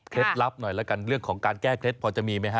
ลับหน่อยแล้วกันเรื่องของการแก้เคล็ดพอจะมีไหมฮ